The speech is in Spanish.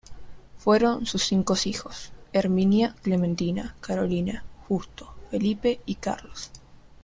Fueron sus cinco hijos, Herminia, Clementina, Carolina, Justo Felipe y Carlos.